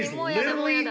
もうやだ